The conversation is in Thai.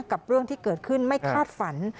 กับเรื่องที่เกิดขึ้นไม่คาดฝัน